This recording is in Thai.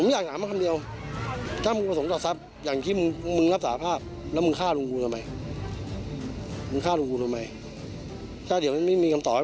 ชั้นเหลือว่าลุงเลื่อนกระปรากฏและเสี่ยงล้างไฟ